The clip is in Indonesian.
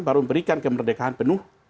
baru memberikan kemerdekaan penuh